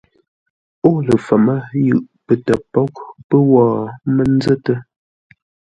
Ó ləfəmə́ yʉʼ pətə́ póghʼ pə́ wó mə nzə́tə́.